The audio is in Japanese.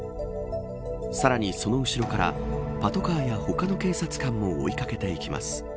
さらにその後ろからパトカーや他の警察官も追い掛けていきます。